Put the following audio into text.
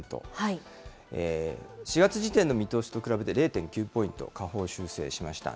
４月時点の見通しと比べて、０．９ポイント下方修正しました。